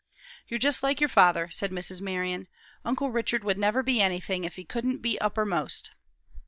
"You're just like your father," said Mrs. Marion. "Uncle Richard would never be anything if he couldn't be uppermost."